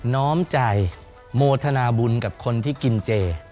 ้อมใจโมทนาบุญกับคนที่กินเจ